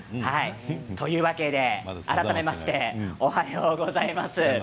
というわけで改めましておはようございます。